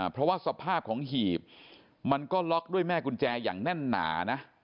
เพราะว่าสภาพของหีบมันก็ล็อกด้วยแม่กุญแจอย่างแน่นหนานะ